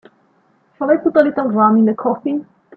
Shall I put a little rum in the coffee?